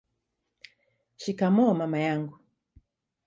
shikamoo mama wangu